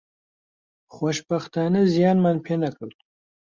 خۆشبەختانە زیانمان پێ نەکەوت